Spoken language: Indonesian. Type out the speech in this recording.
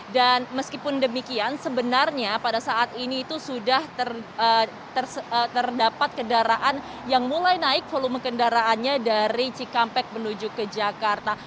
dan meskipun demikian sebenarnya pada saat ini itu sudah terdapat kendaraan yang mulai naik volume kendaraannya dari jekampek menuju ke jakarta